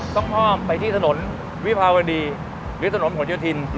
ต้องอ้อมไปที่สนวิภาวดีหรือสนหัวเจียวทิน